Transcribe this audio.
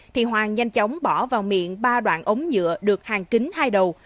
thì hoàng nhanh chóng bỏ vào miệng ba đoạn ống nhựa được hàng kính hai đầu